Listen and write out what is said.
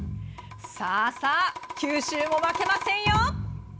さあさあ、九州も負けませんよ。